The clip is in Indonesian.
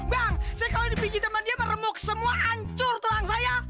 bang saya kalau dipijit sama dia meremuk semua ancur tulang saya